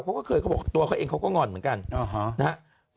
เขาก็เคยเขาบอกตัวเขาเองเขาก็งอนเหมือนกันนะครับ